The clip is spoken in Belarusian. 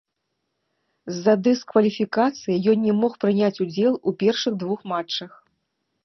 З-за дыскваліфікацыі ён не мог прыняць удзел у першых двух матчах.